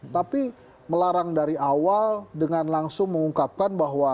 tapi melarang dari awal dengan langsung mengungkapkan bahwa